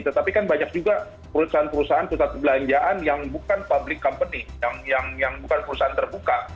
tetapi kan banyak juga perusahaan perusahaan pusat perbelanjaan yang bukan public company yang bukan perusahaan terbuka